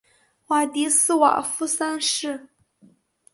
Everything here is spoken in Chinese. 瓦迪斯瓦夫三世。